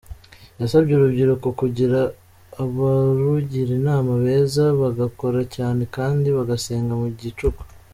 Yasabye urubyiruko kugira abarugira inama beza bagakora cyane kandi bagasenga mu gicuku.